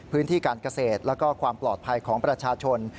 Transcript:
พื้นที่การเกษตรแล้วก็ความปลอดภัยของประชาชน